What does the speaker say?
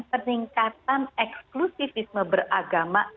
peningkatan eksklusifisme beragama